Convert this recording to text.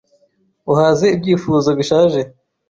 Uhaze ibyifuzo bishaje;